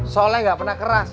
soalnya gak pernah keras